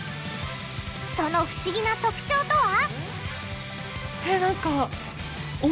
その不思議な特徴とは！？